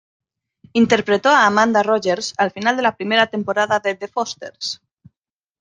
Interpretó a Amanda Rogers al final de la primera temporada de The Fosters.